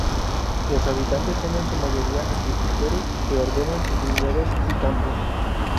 Los habitantes son en su mayoría agricultores que ordenan sus viñedos y campos.